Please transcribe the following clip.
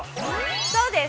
そうです。